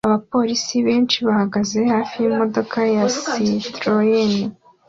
Abapolisi benshi bahagaze hafi yimodoka ya Citroen